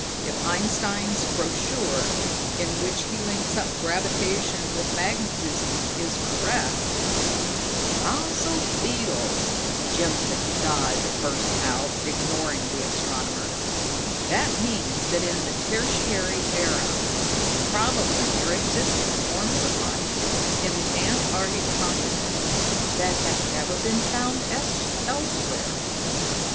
If Einstein's brochure, in which he links up gravitation with magnetism, is correct " "Fossil beetles!" Jim Dodd burst out, ignoring the astronomer. "That means that in the Tertiary Era, probably, there existed forms of life in the antarctic continent that have never been found elsewhere.